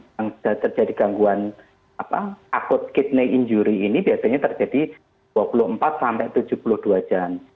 yang terjadi gangguan akut kidney injury ini biasanya terjadi dua puluh empat sampai tujuh puluh dua jam